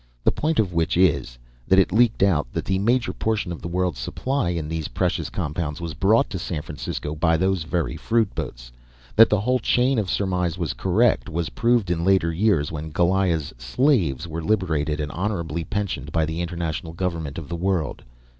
The point of which is: _that it leaked out that the major portion of the world's supply in these precious compounds was brought to San Francisco by those very fruit boats_. That the whole chain of surmise was correct was proved in later years when Goliah's slaves were liberated and honourably pensioned by the international government of the world.